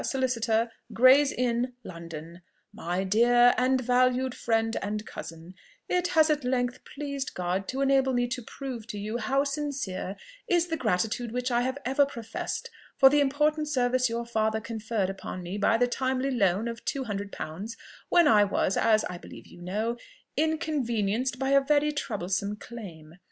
SOLICITOR, GRAY'S INN, LONDON. "My dear and valued Friend and Cousin, "It has at length pleased God to enable me to prove to you how sincere is the gratitude which I have ever professed for the important service your father conferred upon me by the timely loan of two hundred pounds, when I was, as I believe you know, inconvenienced by a very troublesome claim.